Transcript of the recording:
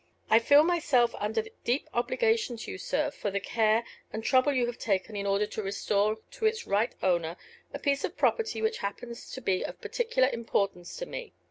I feel myself under deep obligation to you, sir, for the care and trouble you have taken in order to restore to its right owner a piece of property which happens to be of particular importance to me.